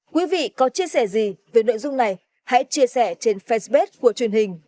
quý vị có chia sẻ gì về nội dung này hãy chia sẻ trên facebook của truyền hình công an nhân dân